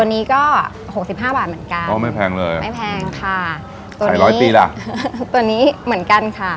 นี้ก็หกสิบห้าบาทเหมือนกันก็ไม่แพงเลยไม่แพงค่ะตัวไหนร้อยปีล่ะตัวนี้เหมือนกันค่ะ